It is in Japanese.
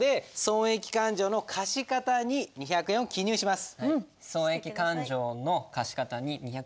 損益勘定の貸方に２００円を記入しています。